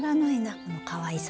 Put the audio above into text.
このかわいさ。